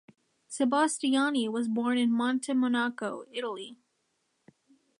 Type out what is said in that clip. Sebastiani was born in Montemonaco, Italy.